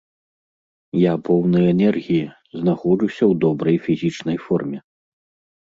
Я поўны энергіі, знаходжуся ў добрай фізічнай форме.